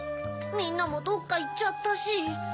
みんなもどっかいっちゃったし。